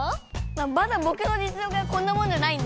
まだぼくの実力はこんなもんじゃないんで。